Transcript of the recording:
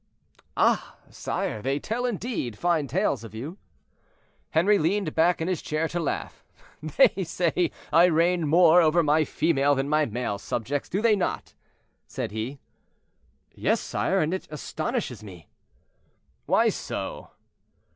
"Ah! sire, they tell, indeed, fine tales of you." Henri leaned back in his chair to laugh. "They say I reign more over my female than my male subjects, do they not?" said he. "Yes, sire, and it astonishes me." "Why so?"